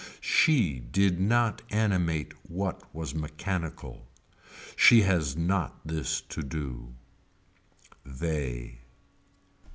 She did not animate what was mechanical. She has not this to do. They.